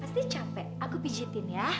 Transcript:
pasti capek aku pijitin ya